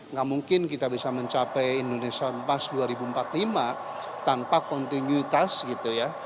nggak mungkin kita bisa mencapai indonesia pas dua ribu empat puluh lima tanpa kontinuitas gitu ya